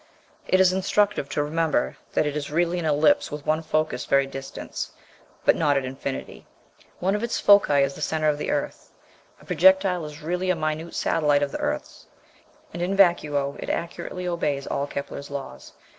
It is instructive to remember that it is really an ellipse with one focus very distant, but not at infinity. One of its foci is the centre of the earth. A projectile is really a minute satellite of the earth's, and in vacuo it accurately obeys all Kepler's laws.